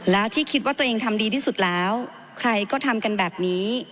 แล้วที่คิดว่าตัวเองทำดีที่สุดแล้วใครก็ทำกันแบบนี้